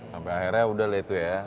sampai akhirnya udah lah itu ya